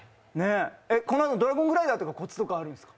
このあと、ドラゴングライダーのコツとかあるんですか？